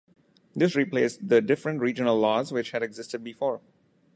This replaced the different regional laws which had existed before.